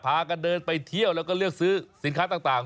พากันเดินไปเที่ยวแล้วก็เลือกซื้อสินค้าต่าง